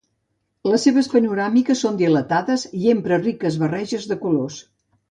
Les seves panoràmiques són dilatades i empra riques barreges de colors.